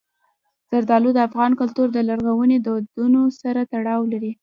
زردالو د افغان کلتور او لرغونو دودونو سره تړاو لري.